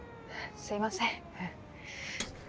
すいません。